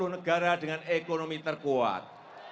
dua puluh negara dengan ekonomi terkuat